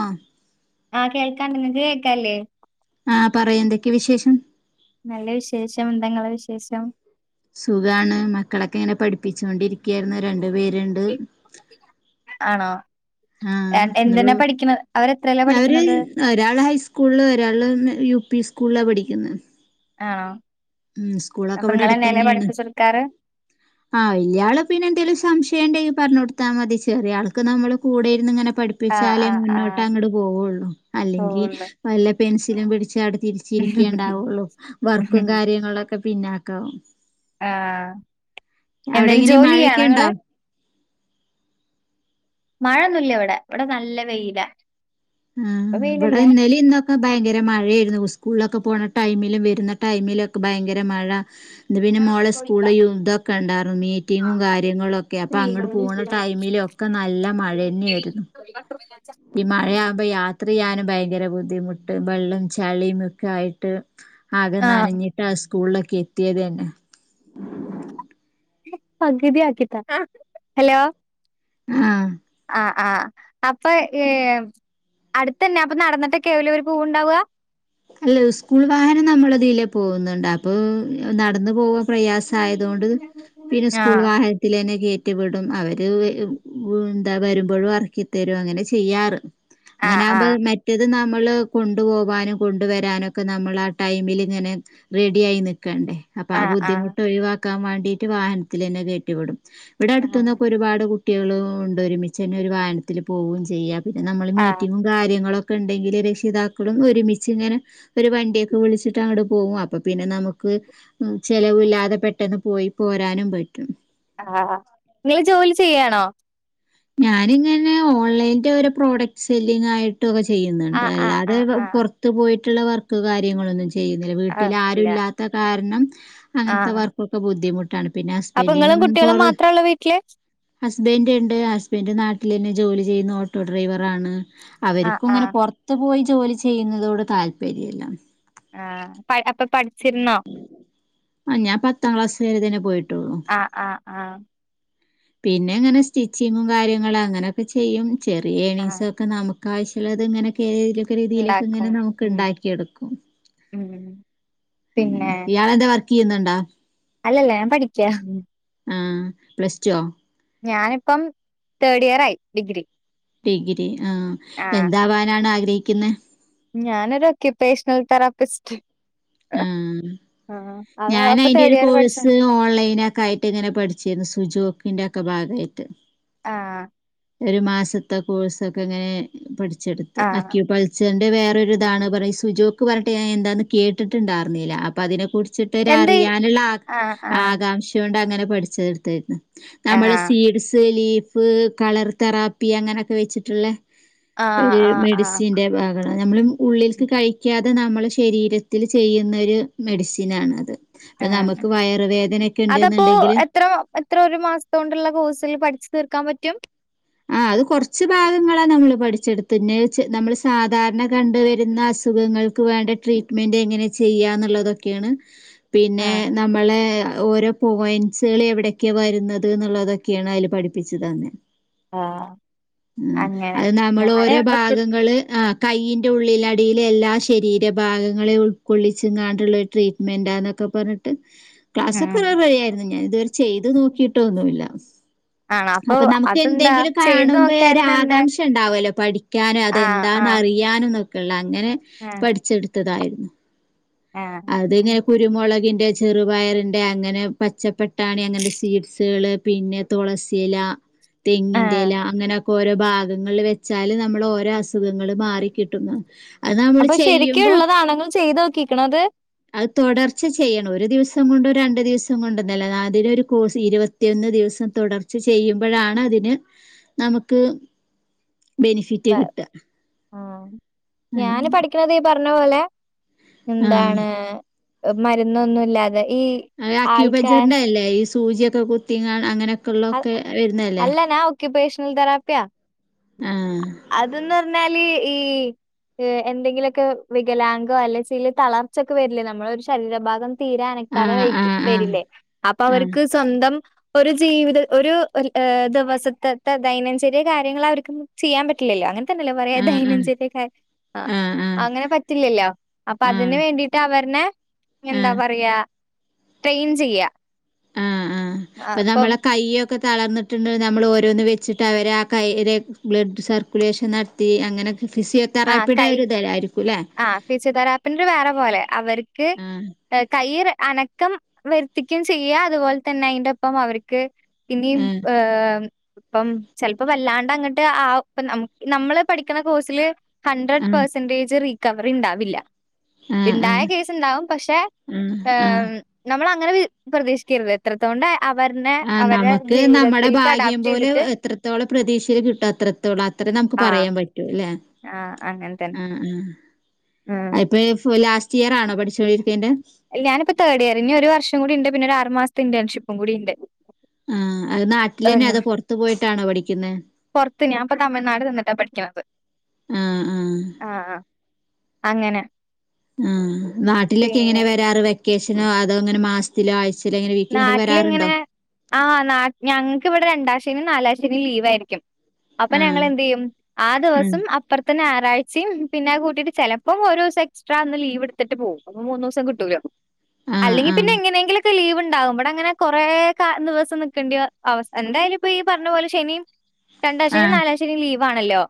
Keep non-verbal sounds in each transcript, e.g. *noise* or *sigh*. ആ ആ കേൾക്കണ്ട് ഇങ്ങക്ക് കേക്കാല്ലേയ് ആഹ പറയ് എന്തൊക്കെ വിശേഷം നല്ല വിശേഷം എന്തങ്ങളെ വിശേഷം സുഖാണ് മക്കളൊക്കെ ഇങ്ങനെ പഠിപ്പിച്ചോണ്ടിരിക്കയിരുന്നു രണ്ട് *unintelligible* പേരുണ്ട് ആണോ ആഹ് ഇന്നിപ്പോ എന്തെന്നാ പഠിക്കുന്നത്... അവര് ഒരാള് ഹൈസ്കൂള്ള് ഒരാള് യു പി സ്കൂളാ പഠിക്കുന്നത് ആണോ ഉം സ്കൂളൊക്കെ അപ്പൊ ഇവിടെ ഇങ്ങളെന്നെല്ലേ അടുത്തെന്നെയാണ് പഠിപ്പിച്ചെടുക്കാറ് ആഹ് വല്യാള് പിന്നെ എന്തേലും സംശയണ്ടെ പറഞ്ഞ കൊടുത്തൽ മതി ചെറിയ ആൾക്ക് നമ്മൾ കൂടെയിരുന്ന് ഇങ്ങനെ ആഹ് പഠിപ്പിച്ചാലേ ആഹ് മുന്നോട്ട് ആഹ് അങ്ങട് പോവൊള്ളൂ അല്ലെങ്കി സ്കൂളില് വല്ല പെൻസിലും പിടിച്ച് തിരിച്ചിരിക്കേണ്ടാവൊള്ളൂ വർക്കും കാര്യങ്ങളൊക്കെ പിന്നാക്കാവും ആഹ് അവിടെ എന്തേലും എങ്ങനെ ജോലിയ്യാണോ മഴയൊക്കെ ഉണ്ടോ ഇങ്ങള് മഴയൊന്നുല്ലവടെ ഇവടെ നല്ല വെയില ആഹ് ഇവടെ ഇന്നലീം ഇന്നൊക്കെ ഭയങ്കര മഴയേര്ന്നു സ്കൂൾളൊക്കെ പോണ ടൈമിലും വര്ന്ന ടൈമിലൊക്കെ ഭയങ്കര മഴ ഇന്ന് പിന്നെ മോളെ സ്കൂള് ഇതൊക്കെ ഇണ്ടാർന്നു. മീറ്റിങ്ങും കാര്യങ്ങളൊക്കെ അപ്പൊ അങ്ങട്ട് പോണ ടൈമിലൊ *unintelligible* ഒക്കെ നല്ല മഴന്യാരുന്നു ഈ മഴയാവുമ്പോ യാത്രയ്യാനും ഭയങ്കര ബുദ്ധിമുട്ട് വെള്ളം ചളിയും ഒക്കെ ആയിട്ട് ആകെ ആഹ് നാനഞ്ഞിട്ടാ സ്കൂളിലൊക്കെ എത്തിയത് തന്നെ പകുതി ആക്കിട്ടോ ആ ഹലോ ആ അ ആ അപ്പൊ ഏ അടുത്തന്നെ അപ്പൊ നടന്നിട്ടെക്കാവല്ലേ ഓര് പോവണ്ടാവാ അല്ലയ് ഉസ്കൂൾ വാഹനം നമ്മളതീലെ പോവുന്നുണ്ട് അപ്പൊ നടന്ന് - നടന്ന് പോവാ പ്രയാസായതോണ്ട് പിന്നെ സ്കൂൾ ആഹ് വാഹനത്തിലന്നെ കയറ്റി വിടും അവര് വരും എന്താ വരുമ്പോഴും എറക്കിത്തരും അങ്ങനെ ചെയ്യാറ്. അങ്ങനെ ആഹ് ആകുമ്പോ ആഹ് മെറ്റത് ന്നാ നമ്മള് കൊണ്ടു പോവാനും കൊണ്ടുവരാനൊക്കെ നമ്മൾ ആ ടൈമിലിങ്ങനെ റെഡി ആയി നിക്ക് നിക്കണ്ടേ. അപ്പൊ ആ ആഹ് ആഹ് ബുദ്ധിമുട്ട് ഒഴിവാക്കാൻ വാണ്ടീട്ട് വാഹനത്തിലന്നെ കെറ്റി വിടും ഇവിടെ ആഹ് അടുത്തുന്നൊക്കെ ഒരുപാട് കുട്ടികൾ ഉണ്ട് ഒരുമിച്ചന്നെ ഒരു വാഹനത്തില് പോവേം ചെയ്യാം പിന്നെ നമ്മള് ആഹ് മീറ്റിങ്ങും കാര്യങ്ങളൊക്കെ ഇണ്ടെങ്കിൽ രക്ഷിതാക്കളും ഒരുമിച്ച് - മിച്ചിങ്ങനെ ഒരു വണ്ടിയൊക്കെ വിളിച്ചിട്ട് അങ്ങട് പോവും. അപ്പ പിന്നെ നമുക്ക് ചിലവില്ലാതെ പെട്ടെന്ന് പെട്ടെന്ന് പോയി പോരാനും പറ്റും ആഹ് നിങ്ങൾ ജോലി ചെയ്യാണോ ഞാനിങ്ങനെ ഓൺലൈൻറെ ഒരു പ്രോഡക്ട് സെല്ലിങ് ആയി്ട്ട് ട്ടൊക്കെ ചെയ്യുന്നുണ്ട്. ആഹ് ആഹ് അല്ലാതെ ആഹ് ആഹ് പുറത്ത് പോയിട്ടുള്ള വർക്ക് കാര്യങ്ങളൊന്നും ച്ചെയ് ചെയ്യുന്നില്ല ആഹ് വീട്ടില് ഇല്ല ആരൂല്ലാത്ത കാരണം ആഹ് അങ്ങനത്തെവർക്കൊക്കെ ബുദ്ധിമുട്ട് ട്ടാണ് പിന്നെ അപ്പൊ നിങ്ങളും ഹസ്ബൻഡിനൊന്നും കുട്ടികളും മാത്രേ ഉള്ളൂ വീട്ടില് ഹസ്ബന്റ്ണ്ട്. ഹസ്ബൻ് നാട്ടിലന്നെ ജോലി ചെയ്യുന്നു ഓട്ടോ ഡ്രൈവറാണ് ആഹ് അവര്ക്കും ഇങ്ങനെ ആഹ് പൊറത്ത് പോയി ജോലി ചെയ്യുന്നതോട് താല്പര്യല്ല ആഹ് അപ്പൊ പഠിച്ചിരുന്നോ ആഹ് ഞാൻ പത്താം ക്ലാസ് വരെ തന്നെ പോയിട്ട് ആഹ് ആഹ് ആഹ് പിന്നെ ഇങ്ങനെ സ്റ്റിച്ചിങ്ങും കാര്യങ്ങള് അങ്ങനെയൊക്കെ ചെയ്യും. ചെറിയ ആഹ് ഏണിങ്‌സൊക്കെ നമുക്കും ആവശ്യങ്ങളില്ലത് ഇങ്ങനൊക്കെ യ് രീതിയിലൊക്കെ ഉണ്ടാക്കും ഇങ്ങനെ നമുക്ക് ഉം ഇണ്ടാക്കി എടുക്കും. ഉം അങ്ങനെ പിന്നെ ഇയാളെന്താ വർക് വർകിയ്യുന്നുണ്ടോ അല്ലല്ല ഞാൻ പഠിക്യാ ആ പ്ലസ് ടോ ഞാനിപ്പം തേർഡ് ഇയറായി ഡിഗ്രി ഡിഗ്രി ആ ആഹ് എന്താവാനാണ് ആഗ്രഹിക്കുന്ന് ഞാനൊരു ഒക്കുപേഷണൽ തെറാപ്പിസ്റ്റ് ആഹ് ആഹ് അതാ ഞാൻ അപ്പൊ അയിന്റെ തേർഡ് ഒരു ഇയർ കോഴ്സ് പഠിച്ചാണ് ഓൺലൈനൊക്കെ ആയിട്ട് ഇങ്ങനെ പഠിച്ചിരുന്നു സുജു ഇതിന്റൊക്കെ ഭാഗായിട്ട് ആഹ് ഒരു മാസത്തെ കോഴ്സ് ഒക്കെങ്ങനെ പഠിച്ചെടുത്ത് ആഹ് അക്യു പങ്ച്ചർ വേറൊരു ഇതാണ് പറഞ്ഞ് സുജോക്ക് പറഞ്ഞട്ട് ഞാൻ എന്താന്ന് കേട്ടിട്ടുണ്ടാർന്നില്ല അപ്പൊ അതിനെ കുറിച്ച് ച്ചിട്ട് എന്ത് ഒരറിയാനുള്ള ആഹ് ആഹ് ആകാംക്ഷ കൊണ്ട് അങ്ങനെ പഠിച്ചെടുതാര്ന്നു നമ്മള് ആഹ് സീഡ്സ് ലീഫ് കളർ തെറാപ്പി അങ്ങനെയൊക്കെ വെച്ചിട്ട്ള്ളെ ഒര് ആഹ് ആഹ് ആഹ് മെഡിസിന്റെ ഭാഗ നമ്മള് ഉള്ളിൽക്ക് കഴിക്കാതെ നമ്മളെ ശരീരത്തിൽ ചെയ്യുന്ന ഒര് മെഡിസിനാണത് ആ അതപ്പോ ഉണ്ടെന്നുണ്ടെങ്കിൽ എത്ര എത്ര ഒരു മാസത്ത് കൊണ്ടുള്ള കോഴ്സിൽ പഠി തീർക്കാൻ പറ്റും. ആ അത് കൊറച്ച് ഭാഗങ്ങളാ നമ്മള് പഠിച്ചെടുത്ത് എന്നേച്ചു നമ്മള് സാധാരണ കണ്ട് വരുന്ന അസു മൃഗങ്ങൾക്ക് വേണ്ട ട്രീറ്റ്മെന്റ് എങ്ങനെ ചെയ്യാന്നുള്ളതൊക്കെണ് പിന്നെ ആഹ് നമ്മളെ ഓരോ പോയന്റ്സ്കള് എവിടെയൊക്കെ വരുന്നത് എന്നുള്ളതൊക്കെയാണ് അതില് പഠിപ്പിച്ചത് തന്നെ ആഹ് ആ അങ്ങനെ അത് നമ്മൾ ഞാന് ഓരോ ഭാഗങ്ങള് ആ കൈയ്യി ന്റെ ഉള്ളിലടിയിൽ എല്ലാ ശരീരഭാഗങ്ങളെയും ഉൾക്കൊള്ളിച്ച്ങ്ങാണ്ടുള്ള ഒരു ട്രീറ്റ്മെന്റാ ന്നൊക്കെ പറഞ്ഞിട്ട് ഉം ക്ലാസൊക്കെ വേറെ വഴിയായിരുന്നു ഞാൻ ഇതുവരെ ചെയ്ത് നോക്കിട്ടൊന്നുല്ല ആണോ അപ്പൊ അത് എന്തെങ്കിലും കാണുമ്പോ ഒരു ആകാംക്ഷ ഇണ്ടാവുല്ലോ പഠിക്കാനും ആഹ് അതെന്താന്ന് ആഹ് അറിയാനും ന്നോക്കെള്ളെ അങ്ങനെ ആഹ് പഠിച്ചെടുത്തതായിരുന്നു ആഹ് അതിങ്ങനെ കുരുമോളകി ന്റെ ചെറുപയറിന്റെ അങ്ങനെ പച്ചപ്പട്ടാണി അങ്ങനെ സീഡ്സുകള് പിന്നെ തുളസിയില തെങ്ങിന്റെ ആഹ് ഇല അങ്ങനെയൊക്കെ ഓരോ ഭാഗങ്ങളിൽ വെച്ചാല് നമ്മൾ ഓരോ അസുഖങ്ങള് മാറി കിട്ടും ന്നാ അപ്പൊ ശെരിക്ക് ഇള്ളതാണോ ഇങ്ങള് ചെയ്ത് നോക്കിക്ക്ണോ അത്? അത് തുടർച്ച ചെയ്യണം ഒരു ദിവസം കൊണ്ടും രണ്ട് ദിവസം കൊണ്ടും നല്ല അതിനൊരു കോഴ്സ് ഇരുപത്തിയൊന്ന് ദിവസതോ തുടർച്ച ചെയ്യുമ്പഴാണ് അതിന് നമുക്ക് ബെനിഫിറ്റ് പ കിട്ടുക ആ ഞാന് അങ്ങനെ പഠിക്കണത് ഈ പർ പർഞ്ഞപോലെ ആഹ് എന്താണ് മരുന്നൊന്നും ഇല്ലാ അത് അക്യൂ പഞ്ചറിന്റെ അല്ലേ ഈ സൂചിയൊക്കെ കുത്തിങ്ങാ അങ്ങനെ അൽ അല്ല ഞാൻ ഒക്ക്യൂപേഷ *unintelligible* തെറാപ്യ ആഹ് അതന്ന് പർഞ്ഞാല് ഈ ഹ് എന്തെങ്കിലൊക്കെ വികലാംഗോ അല്ലെച്ചാ തളർച്ചൊക്കെ വരില്ലേ നമ്മളെ ഒരു ശരീരഭാഗം തീരെ അനക്കാതെ ആഹ് വൈറ്റ് ആഹ് വരില്ലേ അപ്പൊ ആഹ് അവർക്ക് സ്വന്തം ഒരു ജീവിതം ഒരു ദിവസത്തെത്തെ ദൈനം ചിന കാര്യങ്ങള് അവർക്ക് ചെയ്യാൻ പറ്റില്ലല്ലോ അങ്ങനെ പറ്റ്ന്നില്ല പറയാ ആഹ് ആഹ് ദൈനംചര്യ കാര്യാ ആ ആഹ് ആഹ് അങ്ങനെ പറ്റില്ലല്ലോ അപ്പൊ ആഹ് അതിന്ന് വേണ്ടിട്ട് അവർനെ ആഹ് എന്താ ആഹ് പറയാ ട്രെയിൻ ചെയ്യാ ആഹ് ഇപ്പൊ ആഹ് നമ്മളെ കയ്യൊ ക്കെ തളർന്ന്ട്ട്ണ്ട് നമ്മള് ഓരോന്ന് വെച്ചിട്ട് അവരെ ആ കൈയിലെ ബ്ലഡ് സർക്കുലേഷൻ നടത്തി അങ്ങനെ തെറാപ്പിയുടെ ഒരു *unintelligible* ആഹ് ഫിസിയോ തെറാപ്പിന്റെ വേറെ പോലെ അവർക്ക് ആഹ് കൈയ് അനക്കം വരുത്തിക്കയും ചെയ്യുക അതുപോലെ തന്നെ അയിന്റെപ്പം അവർക്ക് ഇനിയും ആഹ് ഏ ഇപ്പം ചിലപ്പോ വല്ലാണ്ട് അങ്ങട്ട് ആ ഇപ്പം നമ്മള് പഠിക്കുന്ന കോഴ്സില് ഹൺഡ്രഡ് ആഹ് പെർസെന്റേജ് റീ ക്കവറി ഉണ്ടാവില്ല. ആഹ് ഇണ്ടായ ആഹ് കേസ് ഉണ്ടാവും പക്ഷെ ആഹ് ആഹ് നമ്മള അങ്ങനെ പ്രതീക്ഷിക്കരുത് എത്രത്തോണ്ടെ ആ നമുക്ക് നമ്മുടെ ഭാഗ്യം അഡാപ്റ്റ് പോലെ ചെയ്തിട്ട് എത്രത്തോളം പ്രതീക്ഷയില് കിട്ടും അത്രത്തോളം അത്ര നം പറയാൻ പറ്റൂ ല്ലെ ആ അങ്ങൻതന്നെ അയ്പ്പൊ ലാസ്റ്റ് ഇയർ ആണോ പഠിച്ചോയ് ഞാനിപ്പോ തേർഡ് ഇയർ ഇനി ഒരു വർഷം കൂടി ഉണ്ട് പിന്നെ ഒരു ആറു മാസത്തെ ഇന്റേൺഷിപ്പും കൂടി ഇണ്ട്. ആ അത് നാട്ടിൽ അന്നെ അതോ പൊർത്തു പോയിട്ടാണോ പഠി പുറത്ത് ഞാ ഇപ്പൊ തമിഴ്നാട് നിന്നിട്ടാ പഠിക്ക്ണത് ആ ആ ആ ആ അങ്ങനെ ആ നാട്ടിലൊക്കെ എങ്ങനെ പിന്നെ വരാറ് വെക്കേഷനോ അതോ അങ്ങനെ മാസത്തിലോ ആഴ്ച നാട്ടിൽ ഇങ്ങനെ ആഹ് നാ ഞങ്ങക്കിവിടെ രണ്ടാം ശ നാലാം ശനിം ലീവ് ആയിരിക്കും അപ്പൊ ആ ഞങ്ങൾ എന്ത് ചെയ്യും ആ ഉം. ദിവസം അപ്പുറത്തന്നെ ഞായറാഴ *unintelligible* പിന്നെ അത് കൂട്ടീട്ട് ചിലപ്പപ്പോ ഒരു ദിവസം എക്സ്ട്രാന്ന് ലീവ്ടുത്തിട്ട് പോകും അപ്പൊ പിന്നെ മൂന്ന് ദിസം കിട്ടൂലോ ആ അല്ലെങ്കിൽ ആ. പിന്നെ എങ്ങനെങ്കിലൊക്കെ ലീവ് ണ്ടാവും മ്പടെ അങ്ങനെ കൊറ കാ ദിവസം നക്കേണ്ടി അവസ്ഥ എന്തായാലും ഇപ്പൊ ഈ പറഞ്ഞ പോലെ ശനിമ് ആ രണ്ടാശെനിം നാലാശെനിമ് ലീവാണല്ലോ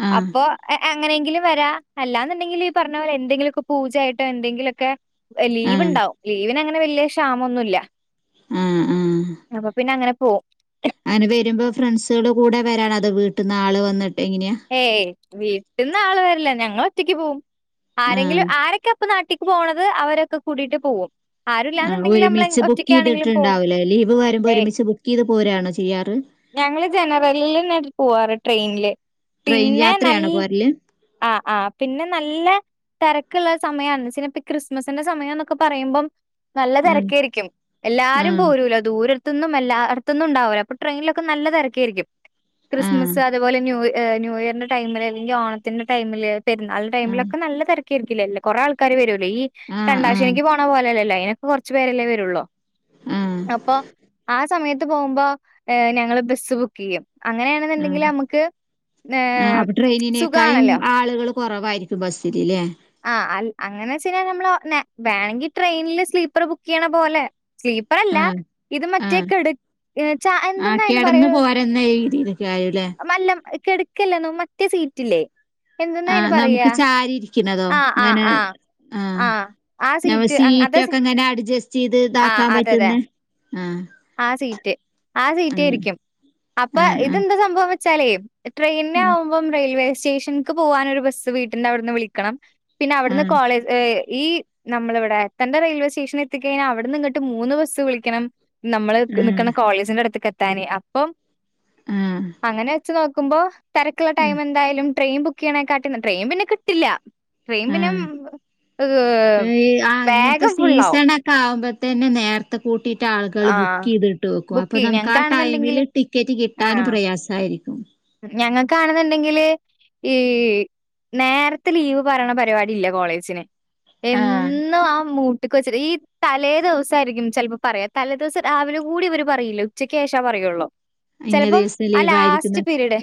ആ അപ്പൊ എ ഏ ങ്ങനെങ്കിലും വരാ അല്ലാന്നുണ്ടെങ്കിൽ ഈ പറഞ്ഞപോോലെ എന്തെങ്കിലൊക്കെ പൂജയായിട്ടോ എന്തെിലൊക്കെ ആ ലീവ്ണ്ടാവും ലീവിന് അങ്ങനെ വലിയ ക്ഷാമൊന്നുഇല്ല ആ ആ പിന്നെ അങ്ങനെ പോവും അങ്ങനെ വരുമ്പോ ഫ്രണ്ട്സുകൾ കൂടെ വരാന അതോ വീട്ടിൽന്നാള് വന്നിട്ട് എങ്ങനെയാ? ഏയ് വീട്ടിൽന്നാൾ വര്ല്ല ഞങ്ങൾ ഒറ്റക്ക് പോവും ആ. ആരെങ്കിലും ആരൊക്കെ ഇപ്പ നാട്ടിക്ക് പോകണുന്നത് അവരൊക്കെ കൂടിട്ട് പോകവും ആ ഒരുമിച്ച് ബുക്ക് പോവും. ചെയ്തിട്ടുണ്ടാവൂലേ ലീവ് വരുമ്പോ ഏയ് ഒരുമിച്ച് ബുക്ക് ചെയ്ത് പോരാണോ ചെയ്യാറ് ഞങ്ങള് ജനറലിലന്നെ പോവാറ് ട്രെയിനില് ട്രെയിൻ പിന്നെ യാത്രയാണോ നല്ല പോരല് ആ ആ പിന്നെ നല്ല തിരക്കുള്ള സമയമാണ് ചിലപ്പ ക്രിസ്മസിന്റെ സമയം എന്നൊക്കെ പറയുമ്പം നല്ല ആഹ് തിരക്ക ആയിരിക്കും എല്ലാരും ആഹ് പോരൂല ദൂര അടുത്ത് ഒന്നും അല്ല അട്ത്തുഒന്നും ഉണ്ടാവല്ലോ അപ്പൊ ട്രെയിനൽക്കെ നല്ലതിരക്കായിരിക്കും ആഹ് ക്രിസ്മസ് അതുപോലെ ന്യൂ ന്യൂ ഇയറിന്റെ ടൈമില് അല്ലെങ്കിൽ ഓണത്തിന്റെ ടമില് പെരുന്നാളി ടൈമിലക്കെ നല്ല തര അല്ലല്ലേ കൊറേ ആൾക്കാര് വരുല്ലോ ഈ ആഹ് ആഹ് രണ്ടാശനിക്ക് പോലല്ലോ അതിനൊക്കെ കുറച്ചു പേരെല്ലേ വരൊള്ളൂ ആഹ് ആഹ് അപ്പൊ ആ സമയത്ത് പോകുമ്പോ ഞങ്ങള് ബസ്സ് ബുക്ക് ചെയ്യും അങ്ങനെയാണെന്നുണ്ടെങ്കിൽ നമുക്ക് ആ ഏഹ് അപ്പൊ ട്രെയിനിനേക്കായും സുഖാണല്ലോ ആളുകൾ കുറവായിരിക്കും ബസ്സിൽലെ ആഹ അ അങ്ങനെ വെച്ച കഴിഞ്ഞാൽ നമ്മള് വേണെങ്കല് ട്രെയിനില് സ്ലീപ്പർ ബുക്ക് ചെയ്യണ പോലെ സ് ആഹ് *unintelligible* ഇത് ആഹ് മറ്റേക്കെ കെടു ച്ച എന്തെന്ന അന് പറയു *unintelligible* ആയല്ലേ കെടുക്കല്ലന്നോ മറ്റേ സീറ്റിലേ ആ നമുക്ക് ചാരി ഇരിക്കണതോ ആ ആ അങ്ങനെ ആ ആഹ ആ ആ ഞമ്മ സീറ്റ് അതാ സീറ്റ്ക്കെ സീ ഇ ങ്ങനെ അഡ്ജസ്റ്റ് ചെയ്ത് ആ ഇതാക്കാൻ അതെ അതെ പറ്റുന്ന ആഹ് ആ സീറ്റ് ആ സീറ്റ് ആഹ് ഇരിക്കും അപ്പൊ ആഹ് ഇതെന്താ സംഭവം വെച്ചാലേ ട്രെയിനെ ആഹ് ആകുമ്പം റെയിൽവേ സ്റ്റേഷനിക്ക് പോകൻ ഒരു ബസ്സ് വീട്ടിന്റെ അവിടുന്ന് വിളിക്കണം പിന്നെ അവിടുന്ന് കോളേജ് ഏ് ഈ നമ്മളിവിടെ എത്തന്റെറെ റെയിൽവേ സ്റ്റേഷൻ എത്തിക്കഴിഞ്ഞാൽ അവിടുന്ന് ഇങ്ങിട്ട് മൂന്ന് ബസ്സ് വിളിക്കണം നമ്മള് നിക്കണ ആഹ് കോളേജിന്റെ അടുത്തേക്ക് എത്താനേ അപ്പം ആഹ് അങ്ങനെ വച്ച് നോക്കുമ്പോ തിരക്കുള്ള ആഹ് ടൈം എന്തായാലും ട്രെയിൻ ബുക്ക് ചെയ്യണേ കാട്ടിലും ട്രെയിൻ പിന്നെ കിട്ടില്ല ട്രെയിമ്പിനും ആഹ് ഏ ഈ ആഹ് ഇങ്ങനത്തെ വേഗം ഫുള്ളാവും സീസണൊക്കെ ആവുമ്പത്തന്നെ നേരത്തെ കൂട്ടിട്ട മറ്റ ആളുകൾ ബുക്ക് ആഹ് ചെയ്തിട്ട് വെക്കും ബുക്ക് അപ്പൊ ചെയ്യ് നമുക്ക് ആ ടൈമില് ഞങ്ങക്കാണെന്നുണ്ടെങ്കില് ടിക്കറ്റ് കിട്ടൻ പ്രയാസമായിരിക്കും കാണുന്നുണ്ടെങ്കില് ഈ നേരത്തെ ലീവ് പറയണ പരിപടി ഇല്ല കോളേജിന് ആഹ് എന്നും ആ മൂട്ടക്ക് വെച്ച ഈ തലേ ദിവസായിരിക്കും ചിലപ്പോ പറയാ തല ദിവസം രാവിലെ കൂടി അവര് പറയില്ല ഉച്ചയ്ക്ക് ശേഷേ പറയുള്ളൂ ഇന്ന ചിലപ്പം ദിവസം ആ ലാസ്റ്റ് ലീവായിരിക്കുന്ന് പീരീഡ്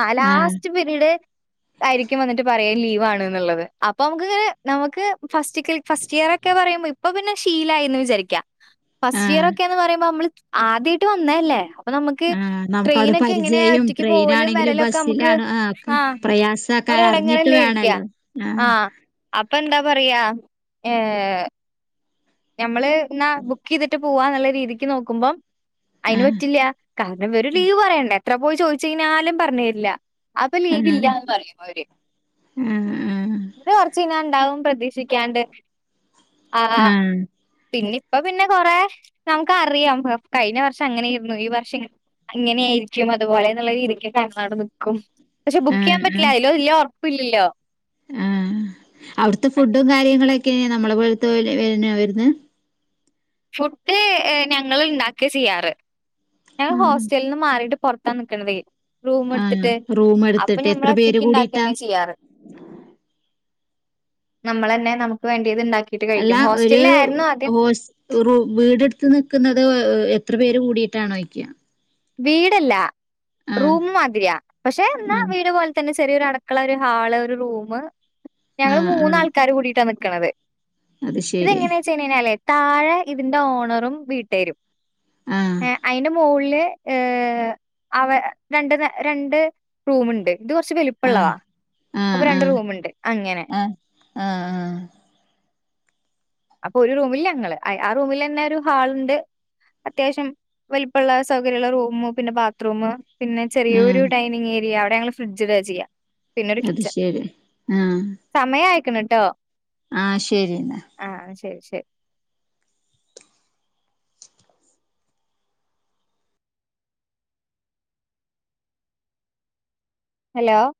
ആ ആഹ് ലാസ്റ്റ് പീരീഡ് ആയിരിക്കും വന്നിട്ട് പറയാം ലീവ് ആണ് എന്നുള്ളത് അപ്പം നമക്ക് നമ്മക്ക് ഫസ്റ്റ് ഇയർക്കെ പറയുമ്പോ ഇപ്പ പിന്നെ ശീലയിന് വിജാരിക്ക ഫസ്റ്റ് ആഹ് ഇയർക്കെന്ന് പറയ്പോ നമ്മൾ ആദ്യട്ട് വന്നല്ലേ അപ്പൊ നമുക്ക് ആഹ് ട്രെയിന നമുക്കവിടെ ഒക്കെ എങ്ങനെയ പരിചയം ഒറ്റക്ക് പോവലും ട്രെയിനാണെങ്കിലും വരലും ഒക്കെ നമുക്ക് ബസ്സിലാണ് ആഹ് ഒക്കെ ആ ഒ പ്രയാസക്കാര് അറിഞ്ഞിട്ട് ഇടങ്ങല്ലേ ഇരിക്ക വേണല്ലോ ആഹ് ആഹ അപ്പൊ എന്താ പറയാ ഏ നമ്മള് എന്ന ബുക്ക് ചെയ്തിട്ട് പോവാന്നുള്ള രീതിക്ക് നോക്കുമ്പം അയിന് ആഹ് പറ്റില്ല കാരണം വവറും ലീവ് പറയണ്ടേ എത്ര പോയി ചോദിച്ച കഴിഞ്ഞാലും പറഞ്ഞു തരില്ല അപ്പൊ ആഹ് ലീവില്ല ന്ന് പറയും അവർ ആഹ് പിന്ന കൊറച്ച ഇന ഉണ്ടാവും പ്രതീക്ഷ വിസിക്കാണ്ട് ആ ആഹ് ആഹ് പിന്നെ ഇപ്പ പിന്നെ കൊറ നമുക്ക് അറിയാം കഴിഞ്ഞ വർഷം അങ്ങനെ ഇരുന്നു ഈ വർഷം അങ്ങനെെയായിരിക്കും അതുപോലെന്നുള്ള രീതിക്ക ക്നാട് നിക്കും പക്ഷെ ബുക്ക് ചെയ്യാൻ പറ്റില്ല അതിലോ ഇല്ല ഉറപ്പില്ലല്ലോ ആ അവിടുത്തെ ഫുഡും കാര്യങ്ങളൊക് നമ്മള പോലത്തെ വര വന്ന് ഫുഡ് ഞങ്ങൾ ഉണ്ടാക്കി ചെയ്യാറ് ഞ ആഹ് ഹോസ്റ്റലിൽ നിന്ന് മാറിട്ട് പുറത്താ നിൽക്കണതെ റൂമ ആ എടുത്തിട്ട് റൂം അപ്പൊ എടുത്തിട്ട് ഞമ്മള എത്ര പേര് ഒറ്റക്ക് കൂടിയിട്ടാ ഇണ്ടാക്കന്നെ ചെയ്യാറ് നമ്മൾ തന്നെ നമുക്ക് വേണ്ടിയത് ഇണ്ടാക്കി അല്ല ഒരു ഹോ വീടെടുത്ത് നിക്കുന്നത് എത്ര പേര് കൂടിയിട്ടാണ് ഓയ്ക്ക വീടല്ല റൂം മാതിരിയാ പക്ഷെ എന്നാ ആ വീട് പോലെ തന്നെ ചെറിയ ഒരു അടക്കള ഒരു ഹാള് ഒരു റൂം ആ ഞങ്ങള് ആ മൂന്നാൾക്കാര് കൂടിട്ടാണ് നിൽക്കുന്നത് അത് ശരി ഇതെങ്ങനെയ വെച്ച്കഴിഞ്ഞല്ലേ താഴെ ഇതിന്റെ ഓണറും വീട്ടേരും ആ അയിന്റെ മോളില് ഏഹ് അവ രണ്ട് രണ്ട് റൂമ് ഉണ്ട് ഇത് കുറച്ച് ആ വലുപ്പമുള്ളതാ ആ ആ അപ്പൊ ആ രണ്ട് റൂമുണ്ട് അങ്ങനെ ആ ആ അപ്പൊ ഒരു റൂമിൽ ഞങ്ങള് ആ റൂമിൽ തന്നെ ഒരു ഹാൾ ഉണ്ട് അത്യാവശ്യം വലിപ്പള്ള സൗകര്യമുള്ള റൂമ പിന്നെ ബാത്റൂം പിന്നെ ചെറിയൊ ആ ഡൈനിങ് ഏരിയ അവിടെ ഞങ്ങള് ഫ്രിഡ്ജ്ടാ ചെയ്യാ പിന്നെരു അത് കിച്ചൻ ശരി സമയം അയിക്ക്ണ് ട്ടോ ആഹ് ശരി ആഹ് ശരി ശരി ഹലോ